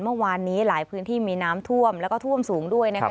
เมื่อวานนี้หลายพื้นที่มีน้ำท่วมแล้วก็ท่วมสูงด้วยนะคะ